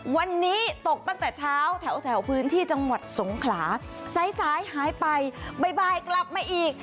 วันนี้ตกตั้งแต่เช้าแถวพื้นที่จังหวัดสงขลาสายสายหายไปบ่ายกลับมาอีก